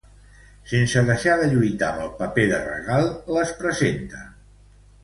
Sense deixar de lluitar amb el paper de regal les presenta.